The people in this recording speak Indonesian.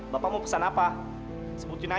bagaimana kalau itu ya